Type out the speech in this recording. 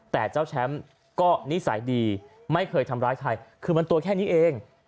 แต่เจ้าแชมป์ก็นิสัยดีไม่เคยทำร้ายใครคือมันตัวแค่นี้เอง